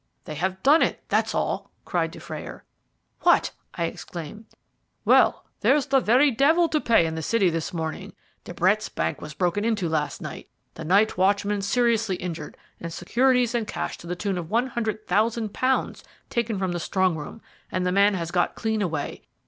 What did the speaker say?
"They have done it, that's all," cried Dufrayer. "What?" I exclaimed. "Well, there's the very devil to pay in the City this morning. De Brett's bank was broken into last night, the night watchman seriously injured, and securities and cash to the tune of one hundred thousand pounds taken from the strong room, and the man has got clean away.